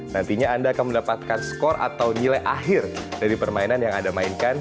nantinya anda akan mendapatkan skor atau nilai akhir dari permainan yang anda mainkan